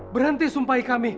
berhenti sumpahi kami